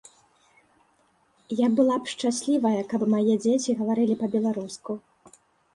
Я была б шчаслівая, каб мае дзеці гаварылі па-беларуску.